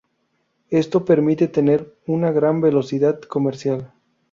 Esto permite tener una gran velocidad comercial.